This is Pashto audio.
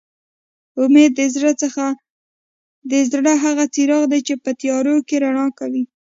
اميد د زړه هغه څراغ دي چې په تيارو کې رڼا کوي